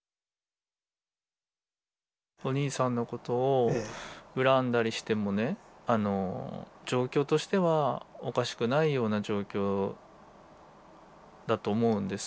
お兄さんのことを恨んだりしてもねあの状況としてはおかしくないような状況だと思うんです。